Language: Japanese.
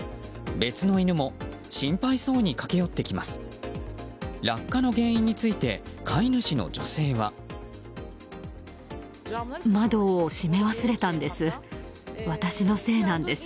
別の犬も心配そうに駆け寄ってきます。